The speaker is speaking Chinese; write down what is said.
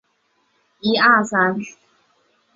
剑川马铃苣苔为苦苣苔科马铃苣苔属下的一个种。